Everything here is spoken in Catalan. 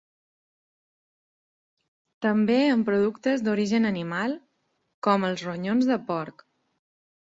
També en productes d’origen animal com els ronyons de porc.